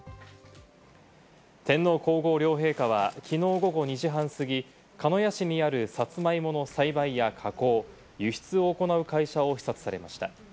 天皇皇后両陛下はきのう午後２時半過ぎ、鹿屋市にあるさつまいもの栽培や加工、輸出を行う会社を視察されました。